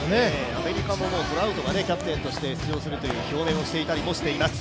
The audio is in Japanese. アメリカもトラウトがキャプテンとして出場する表明をしています。